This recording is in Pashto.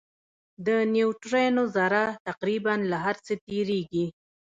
د نیوټرینو ذره تقریباً له هر څه تېرېږي.